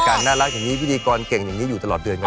น่ารักอย่างนี้พิธีกรเก่งอย่างนี้อยู่ตลอดเดือนครับ